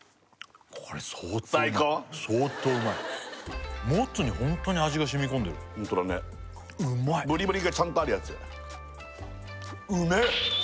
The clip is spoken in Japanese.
相当うまいもつにホントに味が染み込んでるホントだねブリブリがちゃんとあるやつ